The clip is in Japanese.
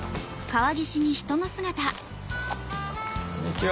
こんにちは。